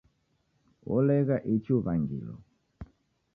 Wolegha ichi uw'angilo